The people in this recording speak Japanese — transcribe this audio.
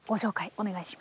お願いします。